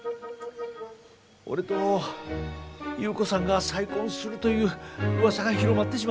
俺と優子さんが再婚するといううわさが広まってしまって。